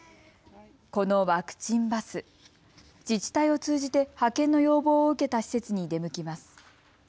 このワクチンバス、自治体を通じて派遣の要望を受けた施設に出向きます。